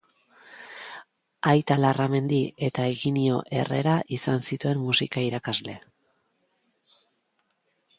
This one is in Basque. Aita Larramendi eta Higinio Herrera izan zituen musika irakasle.